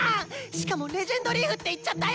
しかも「レジェンドリーフ」って言っちゃったよ！